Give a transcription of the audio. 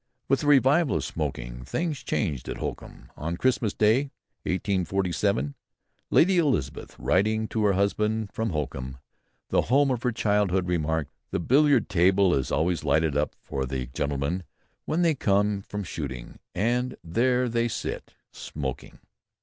With the revival of smoking, things changed at Holkham. On Christmas Day, 1847, Lady Elizabeth, writing to her husband from Holkham, the home of her childhood, remarked: "The Billiard table is always lighted up for the gentlemen when they come from shooting, and there they sit smoking."